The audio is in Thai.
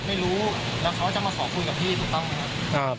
ไม่รู้แล้วเขาจะมาขอคุยกับพี่ถูกต้องไหมครับ